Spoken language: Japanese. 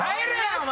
お前。